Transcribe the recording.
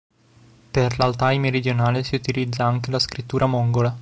Per l'altai meridionale si utilizza anche la scrittura mongola.